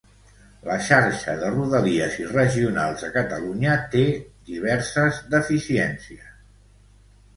La xarxa de Rodalies i Regionals a Catalunya té diverses deficiències.